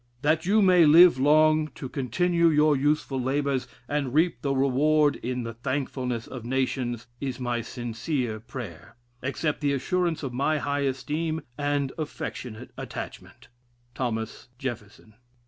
That you may live long to continue your useful labors, and reap the reward in the thankfulness of nations, is my sin cere prayer. "Accept the assurance of my high esteem and affectionate attachment, "Thomas Jefferson."